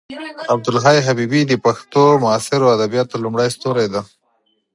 عبدالحی حبیبي د پښتو معاصرو ادبیاتو لومړی ستوری دی.